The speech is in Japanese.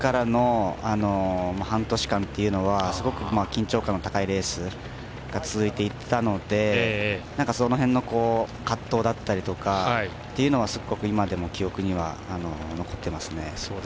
特にＭＧＣからの半年間というのはすごく緊張感の高いレースが続いていたのでその辺の葛藤だったりとかっていうのはすごく、今でも記憶には残ってます。